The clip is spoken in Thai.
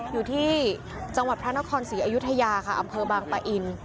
อยู่ที่จังหวัดพระนครศรีอยุธยาค่ะอำเคราะห์บางพระอินทร์